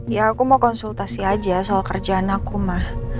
ya aku mau konsultasi aja soal kerjaan aku mah